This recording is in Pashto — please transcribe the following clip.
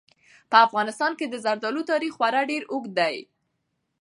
په افغانستان کې د زردالو تاریخ خورا ډېر اوږد دی.